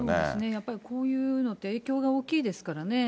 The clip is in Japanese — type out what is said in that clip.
やっぱりこういうのって、影響が大きいですからね。